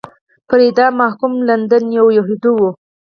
پر اعدام محکوم لندن یو یهودی و.